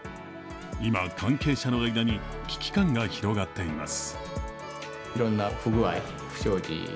今、関係者の間に危機感が広がっています。